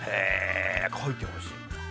描いてほしいな。